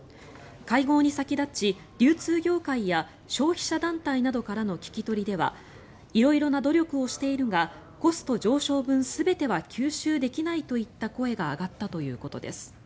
会合に先立ち流通業界や消費者団体などからの聞き取りでは色々な努力をしているがコスト上昇分全ては吸収できないといった声が上がったということです。